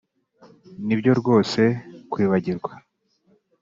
nibyo rwose kwibagirwa